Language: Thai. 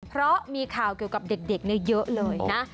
เพราะมีข่าวเกี่ยวกับเด็กเยอะเลยนะ